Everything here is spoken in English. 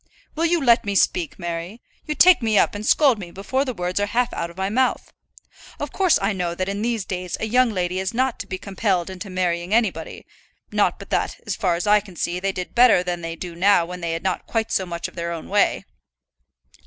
"Will you let me speak, Mary? You take me up and scold me before the words are half out of my mouth. Of course I know that in these days a young lady is not to be compelled into marrying anybody; not but that, as far as I can see, they did better than they do now when they had not quite so much of their own way."